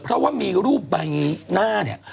เพราะว่ามีรูปใบหน้า